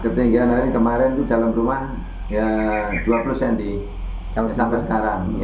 ketinggian hari kemarin itu dalam rumah dua puluh cm sampai sekarang